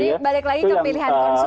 jadi balik lagi ke pilihan konsumen lah ya